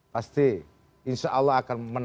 pasti insya allah akan menang